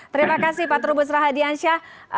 terima kasih pak trubus rahadiansyah